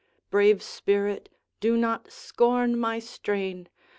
Brave spirit, do Dot scorn my strain!